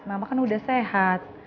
mama kan udah sehat